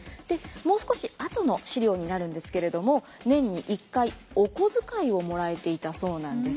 もう少し後の史料になるんですけれども年に１回おこづかいをもらえていたそうなんです。